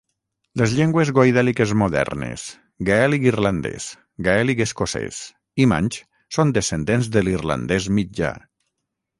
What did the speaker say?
Les llengües goidèliques modernes: gaèlic irlandès, gaèlic escocès, i manx són descendents de l'irlandès mitjà.